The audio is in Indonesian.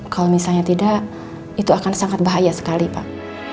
kalau misalnya tidak itu akan sangat bahaya sekali pak